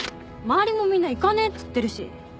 周りもみんな行かねえっつってるし